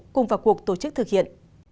cùng vào cuộc tổ chức thực hiện